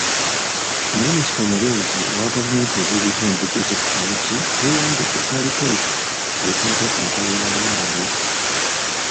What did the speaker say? Minisita omubeezi owa gavumenti ez’ebitundu Joseph Kawuki yayanjudde alipoota ekwata ku nkola ya "luwalo lwo".